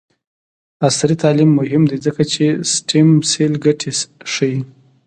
عصري تعلیم مهم دی ځکه چې د سټیم سیل ګټې ښيي.